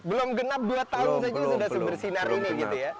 belum genap dua tahun saja sudah sebersinar ini gitu ya